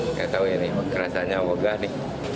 kita tahu ini rasanya wogah nih